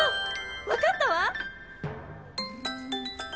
わかったわ！